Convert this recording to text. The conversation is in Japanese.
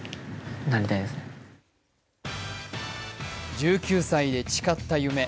１９歳で誓った夢。